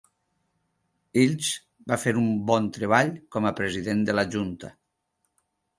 Hills va fer un bon treball com a president de la junta.